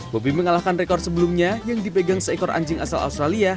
bobi mengalahkan rekor sebelumnya yang dipegang seekor anjing asal australia